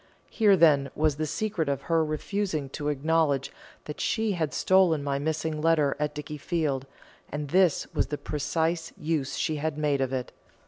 Here, then, was the secret of her refusing to acknowledge that she had stolen my missing letter at Dickiefield, and this was the precious use she had made of it.